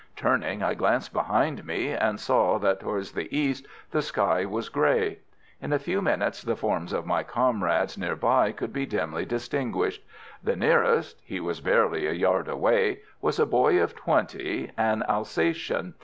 Turning, I glanced behind me, and saw that towards the east the sky was grey. In a few minutes the forms of my comrades near by could be dimly distinguished. The nearest he was barely a yard away was a boy of twenty, an Alsatian.